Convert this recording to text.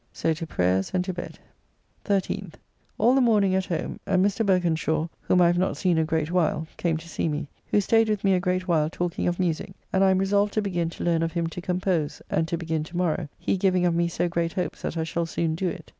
So to prayers and to bed. 13th. All the morning at home, and Mr. Berkenshaw (whom I have not seen a great while, came to see me), who staid with me a great while talking of musique, and I am resolved to begin to learn of him to compose, and to begin to morrow, he giving of me so great hopes that I shall soon do it.